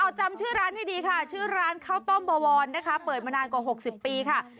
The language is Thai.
เอาจำชื่อร้านให้ดีค่ะชื่อร้านข้าวต้มบะวอนนะคะเปิดมานานกว่า๖๐ปีค่ะ